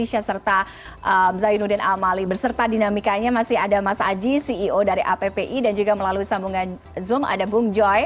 alicia serta zainuddin amali berserta dinamikanya masih ada mas aji ceo dari appi dan juga melalui sambungan zoom ada bung joy